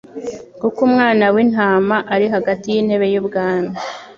kuko Umwana w'intama ari hagati y'intebe y'ubwami,